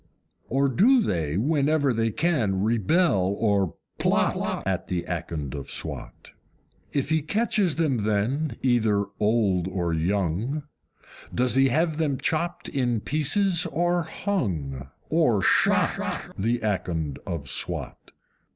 Or do they, whenever they can, rebel, or PLOT, At the Akond of Swat? If he catches them then, either old or young, Does he have them chopped in pieces or hung, or shot, The Akond of Swat?